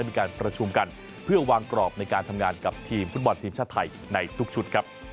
มีการประชุมกันเพื่อวางกรอบในการทำงานกับทีมฟุตบอลทีมชาติไทยในทุกชุดครับ